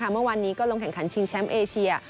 เมื่อวานนี้ก็ลงแข่งขันชิงแชมป์เอเชีย